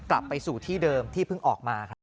กลับไปสู่ที่เดิมที่เพิ่งออกมาครับ